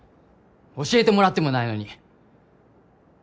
教えてもらってもないのに。